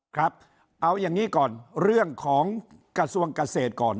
ครับเอาอย่างนี้ก่อนเรื่องของกระทรวงเกษตรก่อน